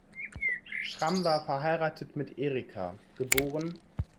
Schramm war verheiratet mit Erika, geb.